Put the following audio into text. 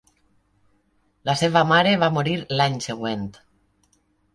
La seva mare va morir l'any següent.